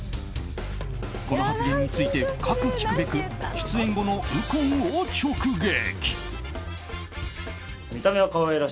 この発言について深く聞くべく出演後の右近を直撃。